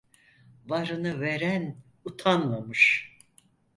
Varını veren utanmamış.